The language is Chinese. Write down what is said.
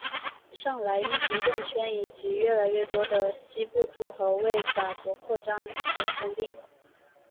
上莱茵行政圈以及越来越多的西部诸侯为法国扩张所吞并。